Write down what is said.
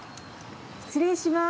失礼します。